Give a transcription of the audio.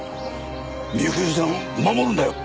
美冬さんを守るんだよ。